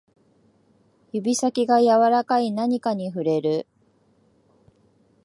指先が柔らかい何かに触れる